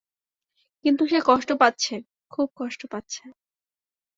কিন্তু সে কষ্ট পাচ্ছে, খুব কষ্ট পাচ্ছে।